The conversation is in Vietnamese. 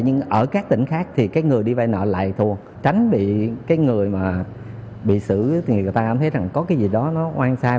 nhưng ở các tỉnh khác thì cái người đi vay nợ lại thuộc tránh bị cái người mà bị xử thì người ta thấy rằng có cái gì đó nó oan sai